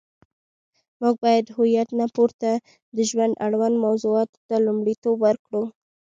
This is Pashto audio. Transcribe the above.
موږ باید د هویت نه پورته د ژوند اړوند موضوعاتو ته لومړیتوب ورکړو.